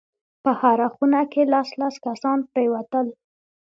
په هره خونه کښې لس لس کسان پرېوتل.